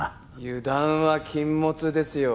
油断は禁物ですよ。